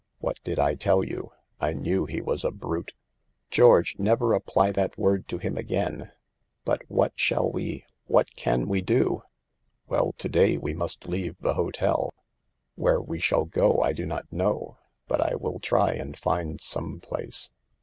" What did I tell you? I knew he was a brute." "George, never apply that word to him again. But what shall we, what can we do ?" "Well, to day we must leave the hotel. 84 SAVE THE GIRLS. Where we shall go I do not know, but I will try and find some place."